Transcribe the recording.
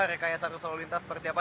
rekayasa arus solilintas seperti apa